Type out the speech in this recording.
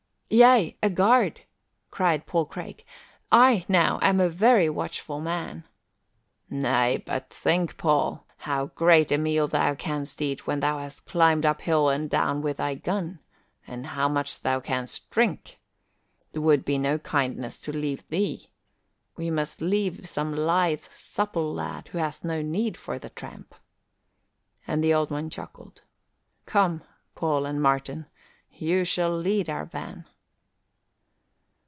"Yea, a guard!" cried Paul Craig. "I, now, am a very watchful man." "Nay, but think, Paul, how great a meal thou can'st eat when thou hast climbed up hill and down with thy gun, and how much thou can'st drink. 'Twould be no kindness to leave thee. We must leave some lithe, supple lad who hath no need for the tramp." And the Old One chuckled. "Come, Paul and Martin, you shall lead our van."